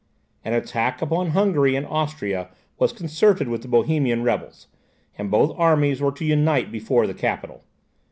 An attack upon Hungary and Austria was concerted with the Bohemian rebels, and both armies were to unite before the capital.